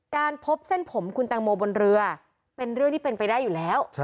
การพบเส้นผมคุณแตงโมบนเรือเป็นเรื่องที่เป็นไปได้อยู่แล้ว